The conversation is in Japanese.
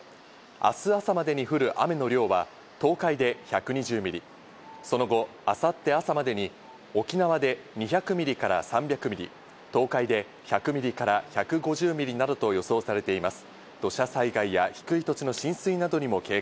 明日朝までに降る雨の量は東海で１２０ミリ、その後、明後日朝までに沖縄で２００ミリから３００ミリ、東海で１００ミリから１５０ミリなどと予想されています。